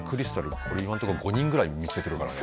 俺今んとこ５人ぐらい見つけてるからね。